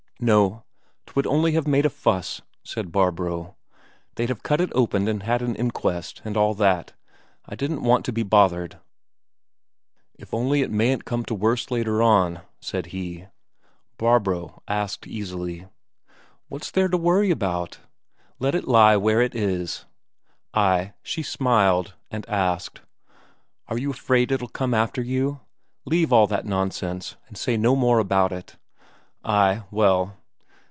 "No. 'Twould only have made a fuss," said Barbro. "They'd have cut it open and had an inquest, and all that. I didn't want to be bothered." "If only it mayn't come to worse later on," said he. Barbro asked easily: "What's there to worry about? Let it lie where it is." Ay, she smiled, and asked: "Are you afraid it'll come after you? Leave all that nonsense, and say no more about it." "Ay, well...."